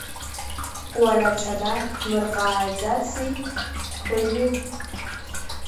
Уара, аҽада дмырҟааӡаци уажәыгь?